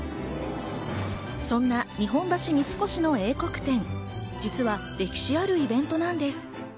そんな日本橋三越の英国展、実は歴史あるイベントなんです。